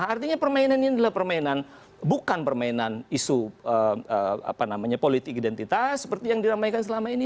artinya permainan ini adalah permainan bukan permainan isu politik identitas seperti yang diramaikan selama ini